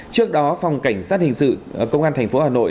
trước đó phòng cảnh sát hình sự công an thành phố hà nội